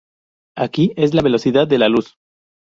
Aquí es la velocidad de la luz.